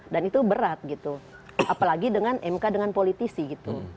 dan itu berat gitu apalagi dengan mk dengan politisi gitu